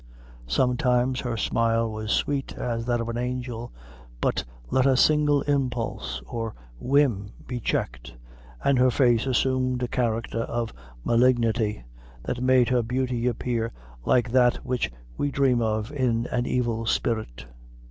Sometimes her smile was sweet as that of an angel, but let a single impulse or whim be checked, and her face assumed a character of malignity that made her beauty appear like that which we dream of in an evil spirit.